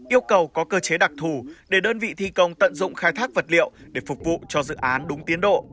yêu cầu có cơ chế đặc thù để đơn vị thi công tận dụng khai thác vật liệu để phục vụ cho dự án đúng tiến độ